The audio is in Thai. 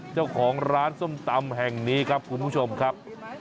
เจ้าของร้านส้มตำแห่งนี้ครับคุณผู้ชมครับ